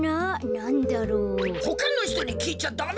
なんだろう？ほかのひとにきいちゃダメじゃぞ。